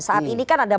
saat ini kan ada